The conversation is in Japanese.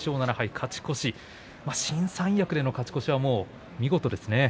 勝ち越し新三役での勝ち越しは見事ですね。